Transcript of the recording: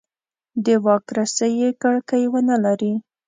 د واک رسۍ یې کړکۍ ونه لري.